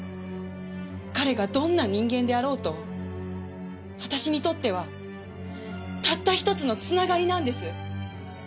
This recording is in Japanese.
彼がどんな人間であろうと私にとってはたった１つのつながりなんです！